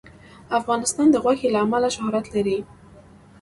افغانستان د غوښې له امله شهرت لري.